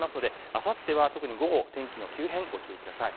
あさっては特に午後、天気の急変にご注意ください。